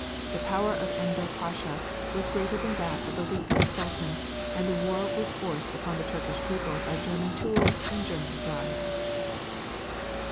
The power of Enver Pasha was greater than that of the weakling Sultan and the war was forced upon the Turkish people by German tools and German bribes.